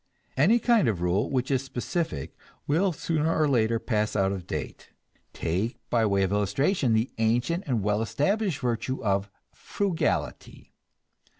Any kind of rule which is specific will sooner or later pass out of date. Take, by way of illustration, the ancient and well established virtue of frugality.